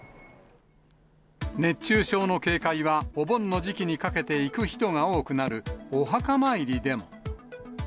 熱中症の警戒はお盆の時期にかけて行く人が多くなるお墓参りでも。